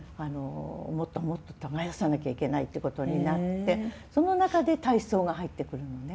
もっともっと耕さなきゃいけないっていうことになってその中で体操が入ってくるのね。